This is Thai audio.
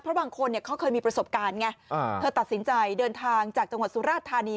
เพราะบางคนเขาเคยมีประสบการณ์ไงเธอตัดสินใจเดินทางจากจังหวัดสุราธานี